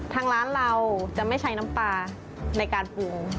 ทางร้านเราจะไม่ใช้น้ำปลาในการปรุง